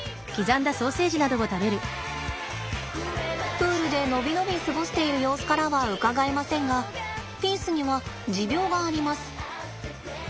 プールで伸び伸び過ごしている様子からはうかがえませんがピースには持病があります。